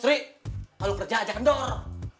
trik kalau kerja aja kendor